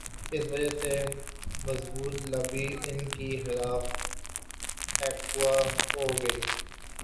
اس وجہ سے یہ مخصوص لابی ان کے خلاف ایکٹو ہو گئی۔